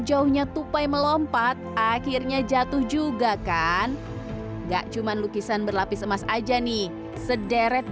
jauhnya tupai melompat akhirnya jatuh juga kan enggak cuman lukisan berlapis emas aja nih sederet